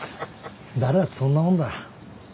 誰だってそんなもんだ。